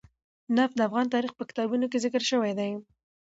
نفت د افغان تاریخ په کتابونو کې ذکر شوی دي.